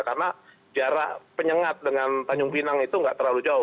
karena jarak penyengat dengan tanjung pinang itu tidak terlalu jauh